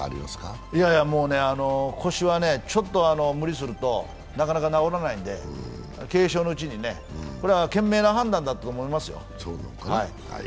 腰はちょっと無理するとなかなか治らないんで軽症のうちに、これは賢明な判断だったと思いますよ。